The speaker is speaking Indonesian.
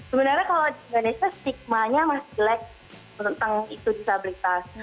sebenarnya kalau di indonesia stigmanya masih jelek tentang itu disabilitas